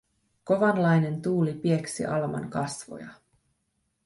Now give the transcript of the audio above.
Kovanlainen tuuli pieksi Alman kasvoja.